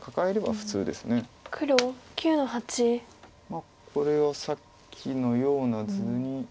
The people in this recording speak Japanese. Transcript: まあこれはさっきのような図に。